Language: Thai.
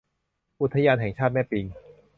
อุทยานแห่งชาติแม่ปิง